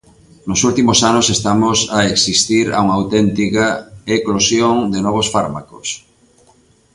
Nos últimos anos estamos a existir a unha auténtica eclosión de novos fármacos.